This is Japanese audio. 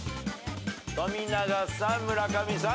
富永さん村上さん。